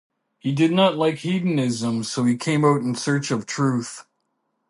He did not like hedonism so he came out in search of truth.